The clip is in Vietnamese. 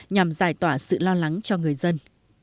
nhằm giải tỏa sự lo lắng cho người dân